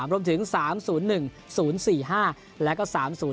รวมถึง๓๐๑๐๔๕แล้วก็๓๐